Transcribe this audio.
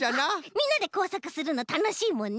みんなでこうさくするのたのしいもんね！